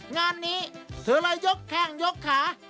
งานนี้เธอเลยยกแข้งยกขา